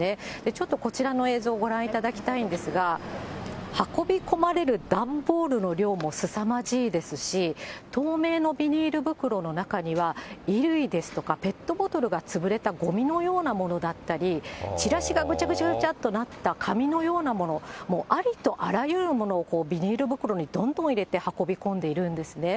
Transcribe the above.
ちょっとこちらの映像ご覧いただきたいんですが、運び込まれる段ボールの量もすさまじいですし、透明のビニール袋の中には、衣類ですとか、ペットボトルが潰れたごみのようなものだったり、チラシがぐちゃぐちゃぐちゃっとなった紙のようなもの、もうありとあらゆるものをビニール袋にどんどん入れて運び込んでいるんですね。